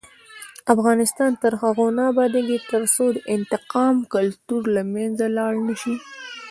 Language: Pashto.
افغانستان تر هغو نه ابادیږي، ترڅو د انتقام کلتور له منځه لاړ نشي.